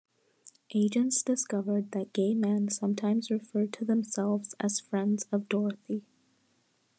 Agents discovered that gay men sometimes referred to themselves as friends of Dorothy.